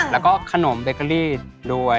แล้วก็ขนมเบเกอรี่ด้วย